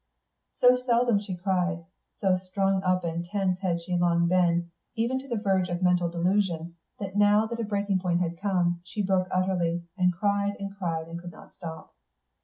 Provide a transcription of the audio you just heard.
So seldom she cried, so strung up and tense had she long been, even to the verge of mental delusion, that now that a breaking point had come, she broke utterly, and cried and cried, and could not stop.